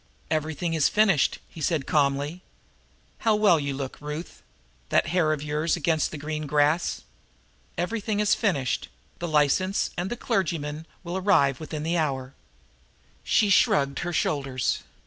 "Everything is finished," he said calmly. "How well you look, Ruth that hair of yours against the green grass. Everything is finished; the license and the clergyman will arrive here within the hour." She shrugged her shoulders.